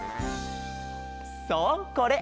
そうこれ！